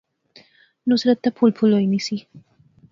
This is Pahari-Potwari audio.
نصرت تے پُھل پُھل ہوئی نی سی